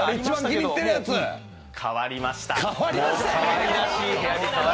変わりました。